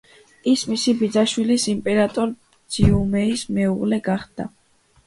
ის მისი ბიძაშვილის, იმპერატორ ძიომეის მეუღლე გახდა.